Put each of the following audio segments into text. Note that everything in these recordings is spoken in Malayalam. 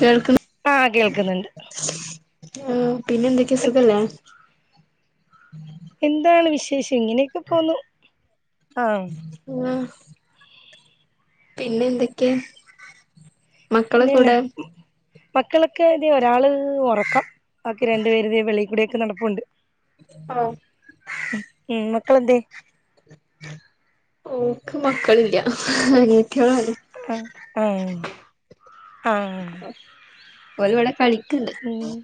കേൾക്ക്ന്ന് ആഹ് കേൾക്ക്ന്ന്ണ്ട് ഉം പിന്നെന്തൊക്കെ സുഖല്ലെ എന്താണ് വിശേഷം ഇങ്ങനെയൊക്ക പോന്നു ആഹ് ആഹ് പിന്നെ എന്തൊക്കെ ഇല്ലല്ല മക്കളൊക്കെ ഇതെ ഒരാള് ഒറക്കം ബാക്കി രണ്ട് പേര് ഇതേ വെളി കൂടൊക്ക നടപ്പ്ണ്ട് ആഹ് ഉം മക്കളെന്തെ ഓക്ക് മക്കളില്ല അനിയത്തേളാണ് ആഹ് ആഹ് ഔല് ഇവടെ കളി ഉം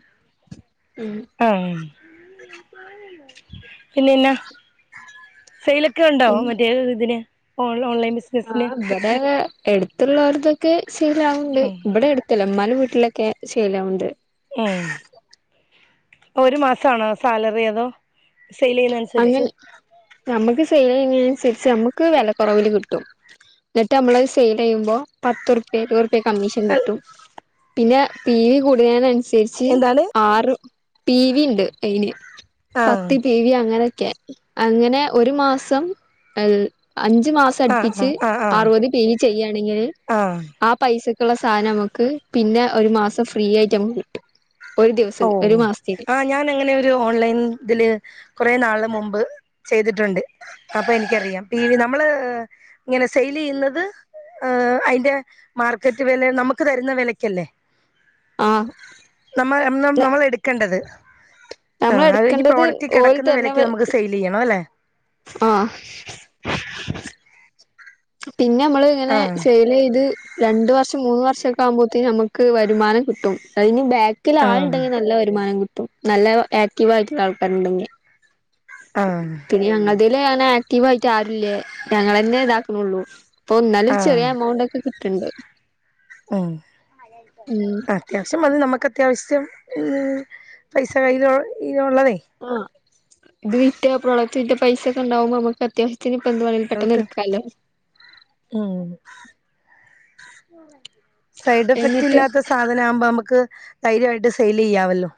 ആഹ് പിന്നെന്നാ സെയിലൊക്ക ഉണ്ടൊ പിന്നെ മറ്റെ ഇതിന് ഓൺ ഓൺലൈൻ ബിസ്നസിന് ഇബടൊരാ എടുത്തുള്ളവർതൊക്കെ ശെരിവ്ണ്ട് ഉം ഇവിടെ എട്ത്തല്ല മ്മാന്റെ വീട്ടിലൊക്കെ ശീലാവുണ്ട് ഉം ഒരു മാസാണൊ സാലറി അതോ സെയിലിയ്യ്ന്ന അൻ അങ്ങനെ ഞമ്മക്ക് സെയിലിയ്യ്ന്നേ അൻസരിച്ച് നമ്മുക്ക് വില കൊറവില് കിട്ടും ഇന്നിട്ട് ഞമ്മളത് സെയിലിയ്യുമ്പൊ പത്ത്ർപ്യ ഇരുവർപ്യ കമ്മീഷൻ കിട്ടും. പിന്നെ പീ വി കൂട് ശരിച്ച് എന്താണ് ആറ് പീ വി ണ്ട് അയിന് ആഹ് പത്ത്,, പീ വി അങ്ങെനൊകെ അങ്ങനെ ഒരു മാസം. അഞ്ച് മാസ,, അടു ആഹ് പ്പിച്ച് ആഹ് ആഹ് ആഹ് അറുപത് പീ. വി ചെയ്യാണെങ്കില് ആഹ് ആ പൈസക്ക്ള്ള സാധനം ഞമ്മക്ക് പിന്നെ ഒരു മാസം ഫ്രീ ആയിട്ട് നമ്മക്ക് കിട്ടും ഒരു ദിവസം ഒരു ഓഹ് മാസത്തിന് ആഹ് ഞാൻ അങ്ങനെ ഒര് ഓൺലൈൻ ഇതില് കൊറേ നാള് മുമ്പ്,, ചെയ്തിട്ടുണ്ട് അപ്പൊ എനിക്കറിയാം. പീ വി നമ്മള് ഇങ്ങനെ സെയ്ലിയ്യുന്നത് ഏഹ് അയിന്റെ മാർക്കറ്റ് വെല നമ്മക്ക് തരുന്ന വെലക്കല്ലെ ആഹ് നമ്മ നമ്മളെടുക്കൺണ്ടത് നമ്മൾ അല്ലെങ്കി എടുക്കേണ്ടത് പ്രോഡക്റ്റ് ഓല് കെടക്കുന്ന വെലക്ക് നമ്മ ഡെയിലി യ്യണം അല്ലെ ആഹ് പിന്നെ മ്മള് ങ്ങനെ ആ സെയിൽ യ്ത് രണ്ട് വർഷം മൂന്ന് വർഷൊക്കെ ആകുമ്പോത്തിനും നമുക്ക് വരുമാനം കിട്ടും അയന് ബ ക്കിൽ ആ ആളുണ്ടെങ്കിൽ നല്ല വരുമാനം കിട്ടും നല്ല ആക്റ്റീവായിട്ടുള്ള ആൾക്കാരുണ്ടെങ്കിൽ ആഹ് ഞങ്ങളതില് അങ്ങനെ ആക്റ്റീവായിട്ട് ആരുല്ലേ ഞങ്ങെളെന്നെ ഇതാക്കുന്നുള്ളൂ പ്പൊ എന്നാലും ആ ചെറിയ എമൗണ്ട് ഒക്കെ കിട്ടുന്നുണ്ട് ഉം ഉം അത്യാവശ്യം വന്ന് നമുക്ക് അത്യാവശ്യത്തിന് മ് പൈസ കയ്യില [unintelligible] ള്ളതേ ആഹ് ഇത് വിറ്റ പ്രൊഡക്റ്റിന്റെ പൈസക്കെ ണ്ടാവുമ്പോ നമുക്ക് അത്യാവ ത്തിന് ഇപ്പൊ ന്ത്‌ [unintelligible] പെട്ടെന്ന് അവൾക്ക് എടുക്കായ്ലെ ഉം സൈഡ് എഫക്ട് എന്നിട്ട് ഇല്ലാത്ത സാധനം ആവുമ്പോ മ്മക്ക് ധൈര്യമായിട്ട് സെയിൽ ചെയ്യവല്ലോ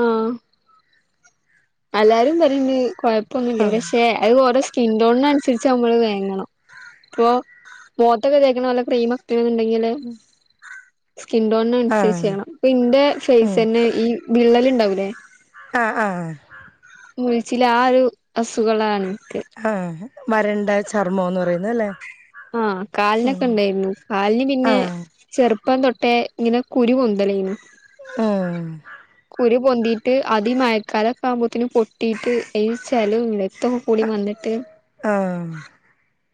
ആഹ് എല്ലാരും പറയന്ന് കൊഴപ്പൊന്നില്ല ആഹ് പക്ഷെ അത് ഓരോ സ്കിൻ ടോണിന് അനുസരിച്ച് നമ്മള് വേങ്ങണം പ്പൊ മോത്തൊക്കെ തേക്കണ വല്ല ക്രീം മൊക്കെ എന്നുണ്ടെങ്കില് ഉം സ്കിൻ ടോണിന് അനുസരിച്ച് ചെയ്യണം അപ്പൊ ഇന്റെ ഫേസ് ഉം തന്നെ ഈ വിള്ളല് ണ്ടാവൂലേ ആഹ് ആഹ് മുഴുചില് ആ ഒരു അസുഖള്ളാണ് ൻക്ക് ആഹ് വരണ്ട ചർമ്മോന്ന് പറയുന്ന അല്ലേ ആഹ് കാലിനൊക്കെ ഉണ്ടായിരുന്നു കാലിന് പിന്നെ ആഹ് ചെറുപ്പം തൊട്ടേ ങ്ങനെ കുരു പൊന്തലെന്നു ആഹ് കുരു പൊന്തിയിട്ട് അതി മഴക്കാലൊക്കെ ആവുമ്പോത്തിനും പൊട്ടിയിട്ട് ചെലോം രക്തോം കൂടി വന്നിട്ട് ആഹ്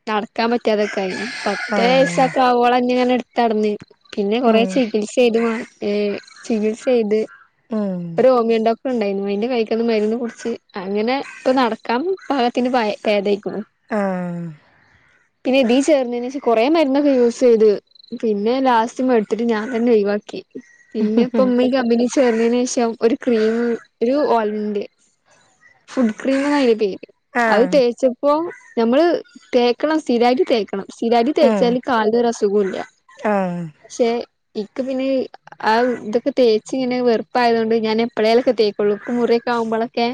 നടക്കാൻ പറ്റാതൊക്കെ അയ്നു പത്ത് ആഹ് വയസ്സൊക്കെ അവോളന്നെ ഇങ്ങനെ എടുത്ത്ടന്ന് പിന്നെ കൊറേ ഉം ച ചികിത്സ ചെയ്ത് മാ ഏ ചികിത്സ യ്ത് ആഹ് ഹോമിയോഡോക്ടർ ണ്ടായിരുന്നു അതിന്റെ കയ്ക്കന്ന് മരുന്ന് കുടിച്ച് അങ്ങനെ ഇപ്പ നടക്കാം പാകത്തിന് ബ ബേധായി [unintelligible] ആഹ് പിന്നെ ഇതീ ചേർന്നയ്ന് ശേഷം കൊറെ മരുന്നൊക്കെ യൂസ് യ്ത് പിന്നെ ലാസ്റ്റ് മടുത്തിട്ട് ഞാൻ തന്നെ ഒയിവാക്കി പിന്നെ ഇപ്പ ഉമ്മ ഈ കമ്പനിയി ചേർന്നതിന് ഷം ഒരു ക്രീം ഒരു ഓല്മൻഡ് ഫുഡ് ക്രീം ന്ന് അതിന്റെ പേര് അയ് ആഹ് തേച്ചപ്പോ നമ്മള് തേക്കണം സ്ഥിരമായിട്ട് തേക്കണം സ്ഥിരായിട്ട് ഉം തേച്ചാല് കാല്ന്ന് ഒരു അസുഖുല്ല ആഹ് പക്ഷെ ഇക്ക് പിന്നെ ആ ഇതൊക്കെ തേച് ഇങ്ങനെ വെറു പ്പായതു കൊണ്ട് ഞാൻ എപ്പോഴേലുംക്ക തേക്കൊള്ളൂ ഇപ്പ മുറിയൊക്കെ ആവുമ്പോഴൊക്കെ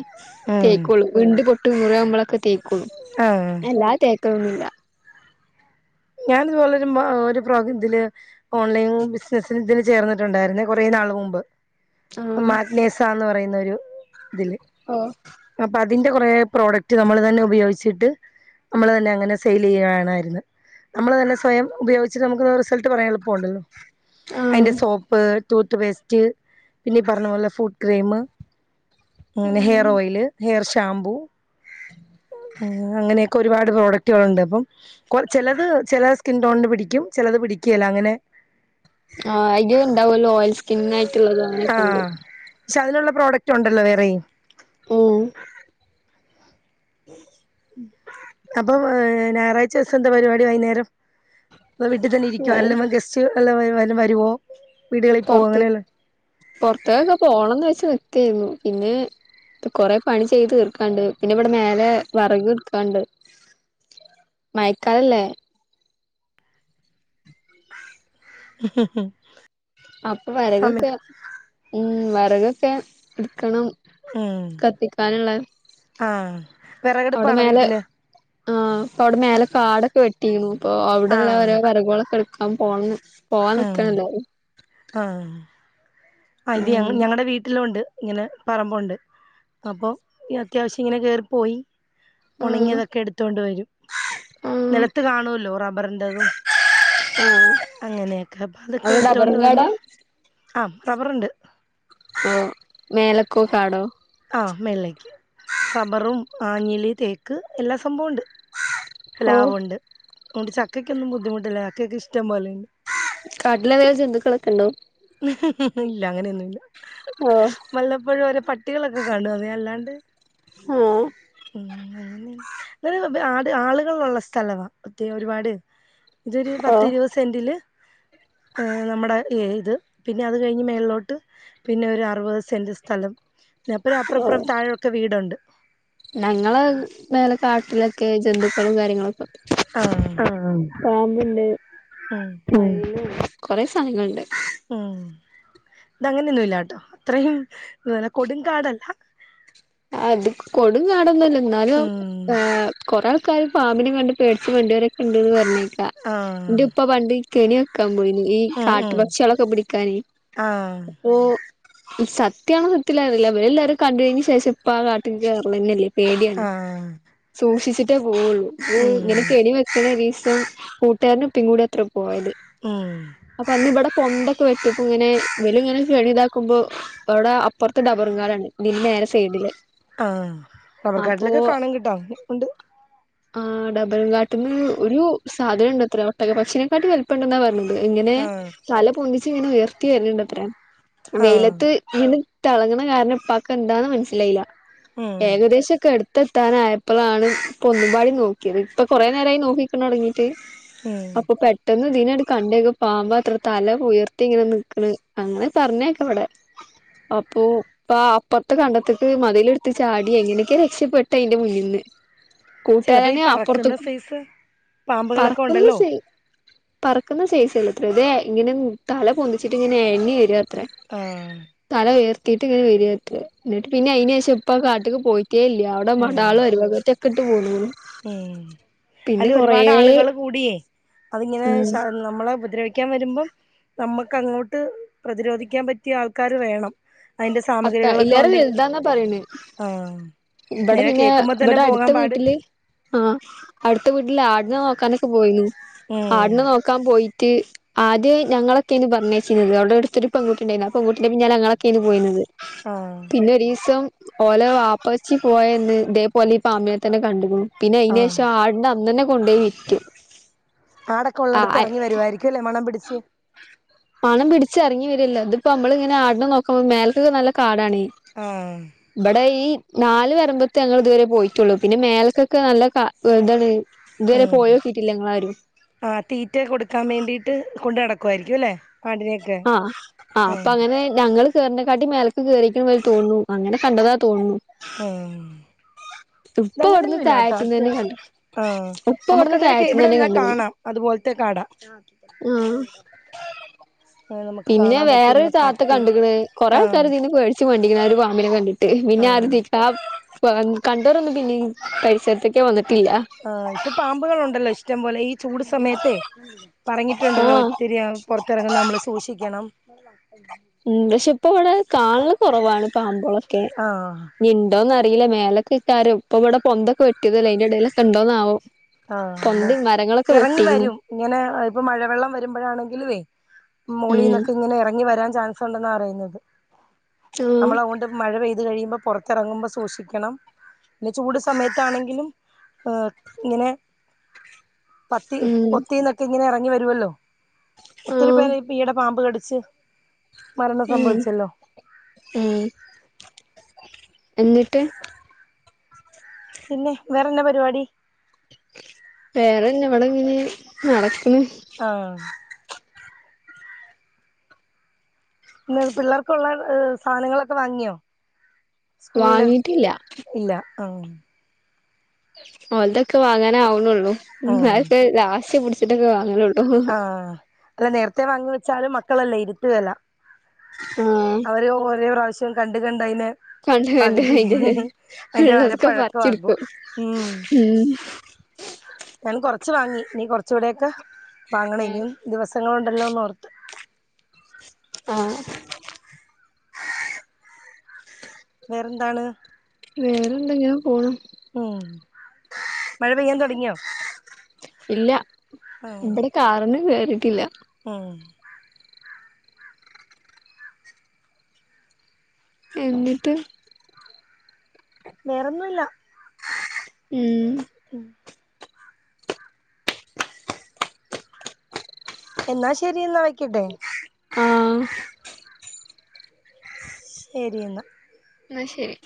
ഉം തേക്കൊള്ളൂ വിണ്ടു പൊട്ടി മുറിആവുബോളൊക്കെ തേയ്ക്കും ആഹ് എല്ലാ തേക്കൊന്നുല്ല ഞാന് ത്പോലരു ഒരു പ്രോഗ ഇതില് ഓൺലൈൻ ബിസിനസ്സിന് ഇതിന് ചേർന്നട്ടുണ്ടായിരുന്നേ കുറെ നാള് മുമ്പ് ആഹ് മാഗ്നേസ എന്ന് പറയുന്നൊരു ഇതില് അപ്പൊ അതിന്റെ കൊറെ പ്രോഡക്റ്റ് നമ്മൾ തന്നെ ഉപയോഗിച്ചിട്ട് നമ്മള് തന്നെ അങ്ങനെ സെയിൽ യ്യുണായിരുന്നു നമ്മൾ തന്നെ സ്വയം ഉപയോഗിച്ചിട്ട് നമുക്ക് റിസൾട്ട് പറയാൻ എളുപ്പമുണ്ടല്ലോ ആഹ് അയ്ന്റെ സോപ്പ് ടൂത്ത് പേസ്റ്റ് പിന്നെ ഈ പറഞ്ഞ പോലെ ഫൂട്ട് ക്രീം അങ്ങനെ ഉം ഹെയർ ഓയില് ഹെയർ ഷാമ്പൂ മ് അങ്ങനെയൊ ഒരുപാട് പ്രോഡക്റ്റുകളുണ്ട് അപ്പം കൊ ചിലത് ചില സ്കിൻ ടോണിന് പിടിക്കും ചിലത് പിടിക്കേല അങ്ങനെ ആഹ് അയ്ന്റേം ഉണ്ടാവല്ലോ ഓയിൽ സ്കിന്നായിട്ടുള്ളത് അങ്ങനൊക്ക്ണ്ട് ആഹ് പക്ഷെ അതിലുള്ള പ്രോഡക്റ്റ് ഉണ്ടല്ലോ വേറെയും ഉം ഉം അപ്പൊ ഞായറാഴ്ച ദിവസം എന്താ പരിപാടി വൈകുന്നേരം വീട്ടിൽ തന്നെ ഇരിക്കുവ ഏഹ് അല്ല ഗസ്റ്റ് എല്ലാം വരുവോ വീടുകളിൽ പോക അങ്ങനെയല്ല പുറത്തേക്കൊക്കെ പോണംന്ന് വെച്ച നിക്കായിരുന്നു പിന്നെ ഇ കൊറെ പണി ചെയ്ത് തീർക്കാണ്ട് പിന്നെ ഇവിടെ മേലെ വറകി എടുക്കാണ്ട് മഴക്കാല അല്ലേ ഉ അപ്പൊ സമയം വറകൊക്കെ ഉം വറകൊക്കെ എടുക്കണം ഉം കത്തിക്കാനുള്ള ആഹ വിറകടുപ്പാണോ വീട്ടില് ആഹ അപ്പൊ അവിടെ മേലെ കാടൊക്കെ വെട്ടിണ് അപ്പൊ അവിടെള്ള ആഹ് രോ വറകുകളൊക്കെ എടു ക്കാം പോണംന്ന് ആഹ് ആഹ് ഇത് ഉം ഞങ്ങളടെ വീട്ടിലുണ്ട് ഇങ്ങനെ പറമ്പുണ്ട് അപ്പോൾ അത്യാവശ്യം ഇങ്ങനെ കയറിപ്പോയി ആഹ് ഉണങ്ങിയതൊക്കെ എടുത്തൊണ്ട് വരും ആഹ് നിലത്ത് കാണുമല്ലോ റബ്ബറിററെതും ആഹ് അങ്ങനെയൊക്കെ അപ്പൊ അതൊക്കെ അവിടെ എടുത്തൊണ്ട് ഡബറും വന്ന് കാടാ ആഹ റബറുണ്ട് ഉം മേലക്കോ കാടോ ആഹ് മേളിലേക്ക് റബ്ബറും ആഞ്ഞല് തേക്ക് എല്ലാ സംഭവുണ്ട് ഓഹ് പ്ലാവുമുണ്ട് അതുകൊണ്ട് ചക്കൊന്നും ബുദ്ധിമുട്ടില്ല ചക്കെ ഇഷ്ടം പോലെ ഉണ്ട് കാട്ടിൽ വേറെ ജന്തുക്കളൊക്കെ ഉണ്ടാ ഇല്ല അങ്ങനെയൊന്നുംല്ല ഉം വല്ലപ്പോഴും ഒരോ പട്ടികളൊക്കെ കാണും അതേ അല്ലാണ്ട് ആഹ [inaudible] ആട് ആളുകളൾള്ള സ്ഥലവാ ഒറ്റേ ഒരുപാട് ഇതൊരു ഓഹ് പത്തിരുപത് സെൻറില് നമ്മുടെ ഇത് പിന്നെ അത് കഴിഞ്ഞ് മേലിലോട്ട് പിന്നെ ഒരു അറുപത് സെന്റ് സ്ഥലം പിപ്പ അപ്പറപ്പറം താഴൊക്കെ വീടുണ്ട് ഞങ്ങള മേലെ കാട്ടിലൊക്കെ ജന്തുക്കളും കാര്യങ്ങളൊക്കെ ആഹ് പാമ്പുണ്ട് ഉം ഉം കൊറെ സാധങ്ങളുണ്ട് ഉം ഇതങ്ങനെയൊന്നുമല്ലട്ടോ അത്രയും കൊടുംങ്കാടല്ല അത് കൊടുംകാടൊന്നല്ല എന്നാലും ഉം കൊറെ ആൾക്കാര് പാമ്പിനെ കണ്ട് പേടിച്ച് മണ്ടിയവരൊക്കെ ഉണ്ടെന്ന് പറഞ്ഞുകേക്കാം ആഹ് എന്റെ ഉപ്പ പണ്ട് കെണി വെക്കാൻ പോയിന് ഈ ഉം കാട്ടു ഉം പക്ഷികളൊക്കെ പിടിക്കാനെ ആഹ് ഓ സത്യവാണോന്നറിയത്തില്ല ഇവരെല്ലാ ഇവരെല്ലാരും കണ്ടയിനുശേഷം ഇപ്പ ആ കാട്ടിക്ക് പോവലന്നെയില്ലേ പേടിയാണ് ആഹ് സൂക്ഷിച്ചിട്ടേ പോവുള്ളൂ ഉം ഇങ്ങനെ കെണിവെക്കണ ഒരീസം കൂട്ടുകാരനും ഉപ്പേം കൂടിയത്രെ പോയത്. ആം അപ്പൊ അന്നിവിടെ പൊണ്ടൊക്കെ വെട്ടിയപ്പോയിങ്ങനെ ഇവലിങ്ങനെ കെണി ഇതാക്കുമ്പോ അപ്പഅവിടെ അപ്പറത്ത് ഡബറും കാടാണ് ഇതിനു നേരെ സൈഡില് ആ അപ്പോ റബർക്കാട്ടിലൊക്കെ കാണുംകിട്ടാ ഒണ്ട് ആ ഡബറും കാട്ട്ന്ന് ഒരു സാധനമുണ്ടത്രേ ഒട്ടക്ക പക്ഷിനെക്കാട്ട് വലുപ്പം ഉണ്ടെന്നാ പറഞ്ഞത്. ഇങ്ങനെ ആഹ് തല പൊന്തിച്ചിങ്ങനെ ഉയർത്തി വരണുണ്ടത്രേ ആഹ് വെയിലത്ത് ഇങ്ങനെ തെളങ്ങണകാരണം ഇപ്പാക്ക് എന്താന്ന് മനസ്സിലായില്ല ഉം ഏകദേശൊക്കെ അടു ത്തെത്താനായപ്പളാണ് ഒന്നുംപാടി നോക്കിയത് ഇപ്പൊ കൊറേ നേരായി നോക്കിക്കണ തൊടങ്ങീട്ട്. ഉം അപ്പൊ പെട്ട് ട്ടെന്ന് ഇതിനെട് കണ്ടെക്കും പാമ്പാത്ര തല ഉയർത്തി ഇങ്ങനെ നിക്കണ് അങ്ങനെ പറഞ്ഞെക്കാവിടെ അപ്പോ ഉപ്പാ അപ്പറത്തെ കണ്ടത്തിക്ക് മതിലെടുത്തു ചാടി എങ്ങനെയൊക്കെയൊ രക്ഷപ്പെട്ടയിന്റെ മുന്നീന്ന്. ചിലപ്പോ ഈ കൂട്ടുകാരനെ അപ്പുറത്തു പറക്കുന്ന സൈസ് പാമ്പുകളൊക്കെ പറക്കുന്ന ഉണ്ടല്ലോ ഷെയ് പറക്കുന്ന സൈസല്ലാ അത്ര ഇതെ ഇങ്ങനെ തല പൊന്തിച്ചിട്ട് ഇങ്ങനെ എഴഞ്ഞ് വരുവാത്രേ ആഹ് തല ഉയർത്തീട്ട് ഇങ്ങനെ വരുവാത്രേ എന്നിട്ടു പിന്നെ അയിനുശേഷം ഉപ്പ ആ കാട്ടിക്ക് പോയിട്ടേയില്ല അ വിടെ ഉം മടാളുവരും അവറ്റൊക്കെയിട്ടു പോന്നുക്കണു പിന്നെ കൊറേ ക്കൂടിയേ അതിങ്ങനെ ശ ഉം നമ്മളെ ഉപദ്രവി ക്കാൻ വരുമ്പം നമുക്കങ്ങോട്ട് പ്രതിരോധിക്കാൻ പറ്റിയ ആൾക്കാര് വേണം. അയിന്റെ അത്ത സാമഗ്രികളൊക്കെ ഇല്ലാറെ ഉണ്ടെങ്കി ആ ഇബടെ പിന്നെ ഇബടെ അടുത്ത വീട്ടില് ആ അടുത്ത വീട്ടില് ആടിനെ നോക്കാനൊക്കെ പോയിന്നു ഉം ആടിനെ നോക്കാൻ പോയിറ്റ് ആദ്യം ഞങ്ങളൊക്കെയാന്ന് പറഞ്ഞയിച്ചിന്നത് അവൾടെ അടുത്തൊരു പെൺക്കുട്ടിയുണ്ടായിരുന്നു ആ പെൺകുട്ടിന്റെ പിന്നാലെ ഞങ്ങളൊക്കെയാന്ന് പോയിന്നത്. ആഹ് പിന്നെ ഒരീസം ഓല വാപ്പച്ചി പോയെന്ന് ഇതേപോലെ ഈ പാമ്പിനെ തന്നെ കണ്ടീക്കണു. പിന്നെ ആഹ് അയിനുശേഷം ആടിന്റെ അന്നന്നെ കൊണ്ടോയി വിറ്റു ആടൊക്കെ ആ ഒള്ളടുത്ത് എറങ്ങി വരുവായിരിക്കുല്ലേ മണം പിടിച്ച് മണം പിടിച്ച് ഇറങ്ങി വരിയല്ല ഇതിപ്പോ നമ്മളിങ്ങനെ ആടിനെ നോക്കാൻ മേലെകൊക്കെ നല്ല കാടാണേ. ആഹ് ഇബടെ ഇ നാല് വരമ്പത്തെ ഞങ്ങള് ഇതുവരെ പോയിട്ടൊള്ളു പിന്നെ മേലക്കൊക്കെ നല്ല ക ഇതാണ്. ഇതുവരെ ഉം പോയിനോക്കിട്ടില്ല ഞങ്ങളാരും ആ തീറ്റ കൊടുക്കാൻ വേണ്ടീട്ട് കൊണ്ടുനടക്കുവായിരിക്കും അല്ലേ ആ ആ അപ്പൊ അങ്ങനെ ഞങ്ങള് കേറണെക്കാട്ടി മേലേക്ക് കേറിയേക്കണമായിരി തോന്നണു അങ്ങനെ കണ്ടതാ തോന്നണു. ഏ ഇവിടുന്ന് ഇതങ്ങനെയൊന്നുവില്ലാട്ടോ താഴത്തുന്ന് തന്നെ അത്യാവിശൃം കണ്ടു ആം ഉപ്പ ഇവിടുന്ന് നമുക്കങ്ങനെ കെ താഴത്തുന്ന് തന്നെ ഇവിടെനിന്നാ കണ്ട്ക്ക്ണ് കാണാം. അതുപോലത്തെ കാട. ആഹ് പിന്നെ വേറൊരു താത്ത കണ്ടിക്കണ് കൊറെ ആ ആൾക്കാര് ഇതിനുപേടി ച്ച് മണ്ടിക്കണ് ആ ഒരു പാമ്പിനെ കണ്ടിട്ടെ ആ പിന്നെ ആരും തി പാ പാം കണ്ടോരൊന്നും പിന്നീ പരിസരത്തേക്കെ വന്നിട്ടില്ല ആഹ് ഇപ്പൊ പാമ്പുകൾ ഉണ്ടല്ലോ ഇഷ്ടംപോലെ ഈ ചൂട് സമയത്തെ ഇപ്പറഞ്ഞിട്ടുണ്ടല്ലോ ആഹ് ഒത്തിരി പുറത്തിറങ്ങുന്ന നമ്മള് സൂക്ഷിക്കണം [inaudible] ഉം പക്ഷെ ഇപ്പൊ ഇവിടെ കാണാല് കുറവാണ് പാമ്പോളൊക്കെ ആ ഇനി ഇണ്ടോന്ന് അറിയില്ല മേലൊക്കെക്കാരം ഇപ്പ ഇവിടെ പൊന്തൊക്കെ വെട്ടിയതല്ല അതിന്റെ ഇടയിലൊക്കെ ഉണ്ടോന്നാവോ ആ പൊന്തും മരങ്ങളൊക്കെ ഇറങ്ങി വെട്ടിക്കണു വരും ഇങ്ങനെ ഇപ്പൊ മഴവെള്ളം വരുമ്പോഴാണെങ്കിലുവേ ഉം മോളിനൊക്കെ ഇങ്ങനെ ഇറങ്ങി വരാൻ ചാൻ സുണ്ടെന്ന പറയുന്നത് [unintelligible] നമ്മളതുകൊണ്ട് മഴ പെയ്ത് കഴിയുമ്പോൾ പുറത്തിറങ്ങുമ്പോൾ സൂക്ഷിക്കണം പിന്നെ ചൂട് സമയത്താണെങ്കിലും ഏഹ് ഇങ്ങനെ പത്തി ഉം പൊത്തിന്നൊക്കെ ഇങ്ങനെ ഇറങ്ങി വരുവല്ലോ ഒത്തിരി ആഹ് പേരെ ഇപ്പ ഈടെ പാമ്പ് കടിച്ച് മരണം ഉം സംഭവിച്ചല്ലോ ഉം എന്നിട്ട് പിന്നെ വേറെന്നാ പരിപാടി വേറെന്ന ഇവിടെ ഇങ്ങനെ നടക്ക്ണ് ആഹ് പിന്നെ പിള്ളേർക്കുള്ള സാധനങ്ങളൊക്കെ വാങ്ങിയോ സ്കൂളില് വാങ്ങിട്ടില്ല ഇല്ല ആഹ് ഓൽതൊക്കെ വാങ്ങാന് ആവണൊള്ളൂ ആഹ് [unintelligible] ലാസ്റ്റ് പിടിച്ചിട്ടൊക്കെ വാങ്ങാലുള്ളു ആഹ് അല്ല നേരത്തെ വാങ്ങി വെച്ചാലും മക്കളല്ലേ ഇരുത്തുകല്ല ആഹ് അവര് ഒരേ പ്രാവശ്യം കണ്ട് കണ്ട് അയ്നെ കണ്ടവന്റെ പകുതി അയിന്റെ അയ്ന്റെ ഉള്ളതൊക്കെ വരപ്പഴക്ക ആകും പറിച്ചെടുക്കും ഉം ഉം ഞാൻ കൊറച്ച് വാങ്ങി ഇനീ കുറച്ചുകൂടെക്കെ വാങ്ങണനി ദിവസങ്ങളുണ്ടല്ലോന്ന് ഓർത്ത് ആഹ് വേറെന്താണ് വേറെന്താ ഞാൻ പോണു ഉം മഴ പെയ്യാൻ തൊടങ്ങിയോ ഇല്ല ഉം ഇബടെ കാരണം കേറീട്ടില്ല ഉം എന്നിട്ട് വേറൊന്നുല്ല. ഉം ഉം എന്നാ ശെരി എന്നാ വയ്ക്കട്ടെ ആഹ് ശെരിന്നാ ന്നാശെരി